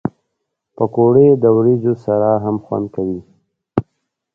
پکورې د وریجو سره هم خوند کوي